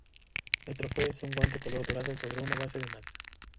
El trofeo es un guante color dorado sobre una base de madera.